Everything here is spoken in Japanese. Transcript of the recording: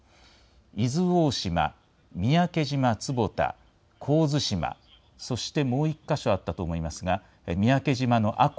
伊豆大島、三宅島坪田、神津島、そしてもう１か所あったと思いますが三宅島の阿古、